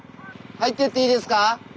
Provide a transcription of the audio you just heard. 入ってっていいですか？